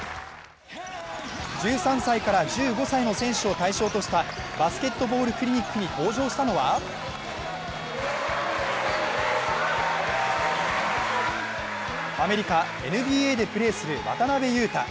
１３歳から１５歳の選手を対象としたバスケットボールクリニックに登場したのはアメリカ、ＮＢＡでプレーする渡邊雄太。